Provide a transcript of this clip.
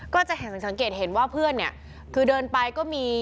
ก็จะเห็นสังเกตเห็นว่าเพื่อนเนี่ยคือเดินไปก็มี